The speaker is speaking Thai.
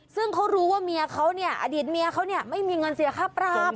ซึ่งเขารู้ว่าเมียเขาเนี่ยอดีตเมียเขาเนี่ยไม่มีเงินเสียค่าปรับ